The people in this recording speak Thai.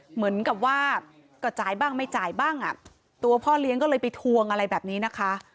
เหมือนกับว่าก็จ่ายบ้างไม่จ่ายบ้างอ่ะตัวพ่อเลี้ยงก็เลยไปทวงอะไรแบบนี้นะคะ